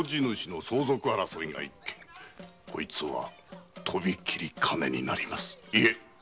こいつはとびきり金になりますいえ